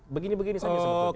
begini begini saja sebetulnya